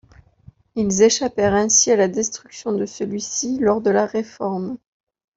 Ils échappèrent ainsi à la destruction de celui-ci lors de la Réforme.